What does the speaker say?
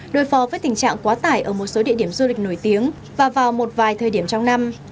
đối phó với tình trạng quá tải ở một số địa điểm du lịch nổi tiếng và vào một vài thời điểm trong năm